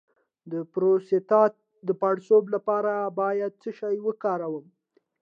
د پروستات د پړسوب لپاره باید څه شی وکاروم؟